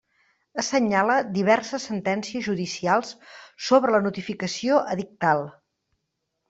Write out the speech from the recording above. Assenyala diverses sentències judicials sobre la notificació edictal.